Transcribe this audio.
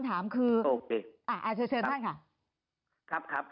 เธอเชิญท่านค่ะ